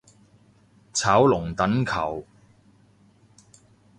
炒龍躉球